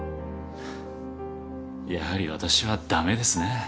やはり私は駄目ですね。